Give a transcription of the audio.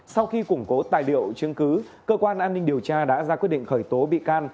sau khi củng cố tài liệu chứng cứ cơ quan an ninh điều tra đã ra quyết định khởi tố bị can